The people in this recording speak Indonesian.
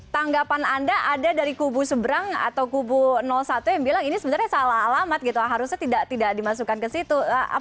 tanggapan anda ada dari kubu seberang atau kubu satu yang bilang ini sebenarnya salah alamat gitu harusnya tidak dimasukkan ke situ